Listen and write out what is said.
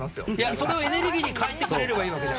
それをエネルギーに変えてくれれば。